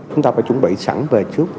chúng ta phải chuẩn bị sẵn về trước